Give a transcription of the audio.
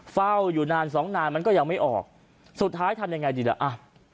เฝ้าอยู่นานสองนานมันก็ยังไม่ออกสุดท้ายทำยังไงดีล่ะอ่ะ